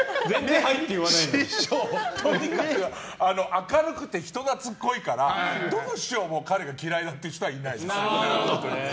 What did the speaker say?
明るくて人懐っこいからどの師匠も彼が嫌いだっていう人いないです。